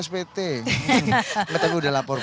spt ngeteguh udah lapor